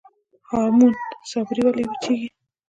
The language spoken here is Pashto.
هامون صابري ولې وچیږي؟